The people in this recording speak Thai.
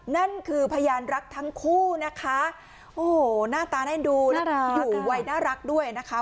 นั่นคือพยานรักทั้งคู่นะคะโอ้โหหน้าตาเล่นดูแล้วก็อยู่วัยน่ารักด้วยนะคะ